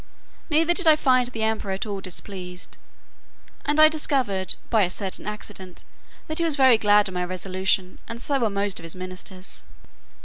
Neither did I find the emperor at all displeased; and I discovered, by a certain accident, that he was very glad of my resolution, and so were most of his ministers.